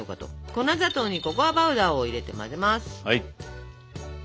粉砂糖にココアパウダーを入れて混ぜます。